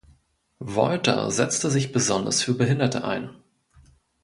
Wolter setzte sich besonders für Behinderte ein.